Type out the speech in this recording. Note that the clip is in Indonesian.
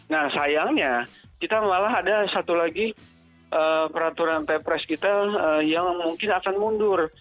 nah sayangnya kita malah ada satu lagi peraturan ppres kita yang mungkin akan mundur